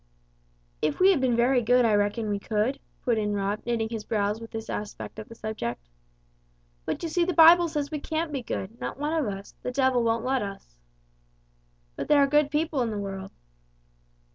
"If we had been very good I reckon we could," put in Rob, knitting his brows with this aspect of the subject. "But you see the Bible says we can't be good, not one of us the devil won't let us." "But there are good people in the world."